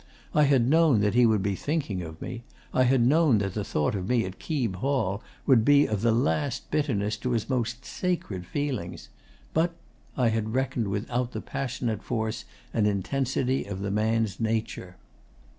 I had known that he would be thinking of me. I had known that the thought of me at Keeb Hall would be of the last bitterness to his most sacred feelings. But I had reckoned without the passionate force and intensity of the man's nature.